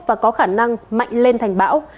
và có khả năng mạnh lên thành bão